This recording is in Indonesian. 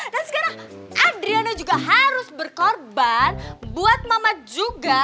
dan sekarang adriana juga harus berkorban buat mama juga